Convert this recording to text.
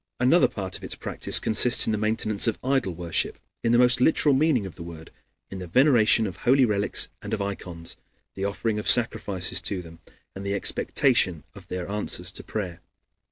Another part of its practice consists in the maintenance of idol worship in the most literal meaning of the word; in the veneration of holy relics, and of ikons, the offering of sacrifices to them, and the expectation of their answers to prayer.